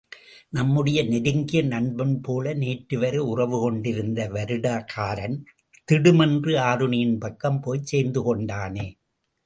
நம்முடைய நெருங்கிய நண்பன்போல நேற்றுவரை உறவு கொண்டிருந்த வருடகாரன், திடுமென்று ஆருணியின் பக்கம் போய்ச் சேர்ந்து கொண்டானே!